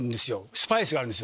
スパイスがあるんですよ。